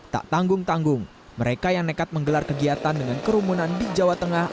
tak tanggung tanggung mereka yang nekat menggelar kegiatan dengan kerumunan di jawa tengah